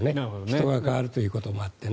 人が代わるということもあって。